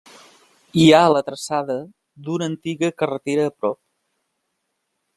Hi ha la traçada d'una antiga carretera a prop.